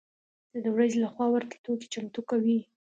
و د ورځې له خوا ورته توکي چمتو کوي.